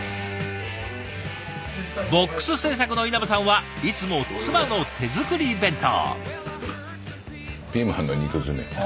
ＢＯＸ製作の稲葉さんはいつも妻の手作り弁当。